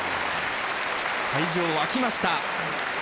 会場、沸きました。